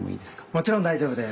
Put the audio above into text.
もちろん大丈夫です。